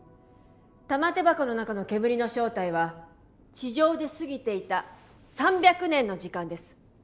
玉手箱の中の煙の正体は地上で過ぎていた３００年の時間です。